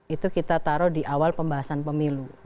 itu kita taruh di awal pembahasan pemilu